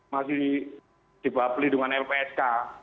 masih dibapeli dengan lpsk